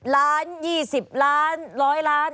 ล้าน๒๐ล้าน๑๐๐ล้าน